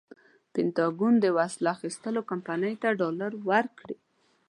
پنټاګون د وسلو اخیستنې کمپنۍ ته ډالر ورکړي.